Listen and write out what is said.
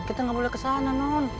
kita nggak boleh kesana non